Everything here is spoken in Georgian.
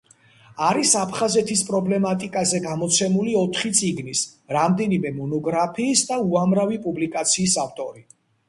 არის აფხაზეთის პრობლემატიკაზე გამოცემული ოთხი წიგნის, რამდენიმე მონოგრაფიის და უამრავი პუბლიკაციის ავტორი.